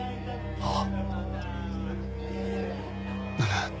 ああ？